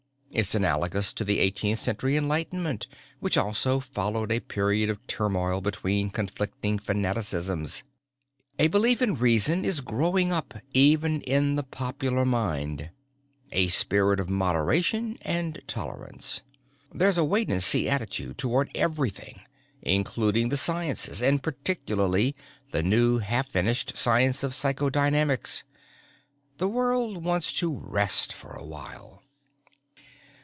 "It's analogous to the eighteenth century Enlightenment, which also followed a period of turmoil between conflicting fanaticisms. A belief in reason is growing up even in the popular mind, a spirit of moderation and tolerance. There's a wait and see attitude toward everything, including the sciences and particularly the new half finished science of psychodynamics. The world wants to rest for awhile.